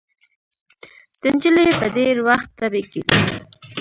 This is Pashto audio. د نجلۍ به ډېر وخت تبې کېدې.